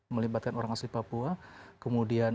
melibatkan orang asli papua kemudian